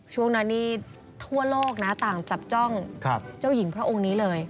ช่วงนั้นนี่ทั่วโลกนะต่างจับจ้องเจ้าหญิงพระองค์นี้เลย